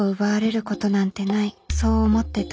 そう思ってた。